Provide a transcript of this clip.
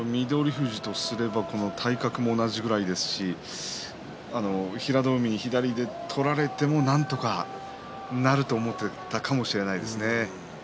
富士からすれば体格も同じぐらいですし平戸海に左を取られてもなんとかなると思っていたかもしれないですね。